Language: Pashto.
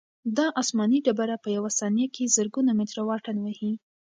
دا آسماني ډبره په یوه ثانیه کې زرګونه متره واټن وهي.